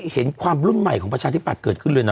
เห็นความรุ่นใหม่ของประชาธิบัตย์เกิดขึ้นเลยนะ